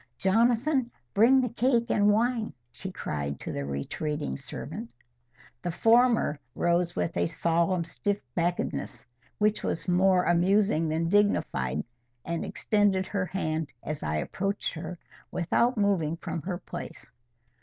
"Jonathan, bring the cake and wine," she cried to the retreating servant. The former rose with a solemn stiff backedness, which was more amusing than dignified, and extended her hand as I approached her, without moving from her place.